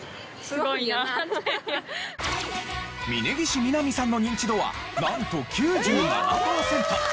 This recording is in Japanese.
峯岸みなみさんのニンチドはなんと９７パーセント。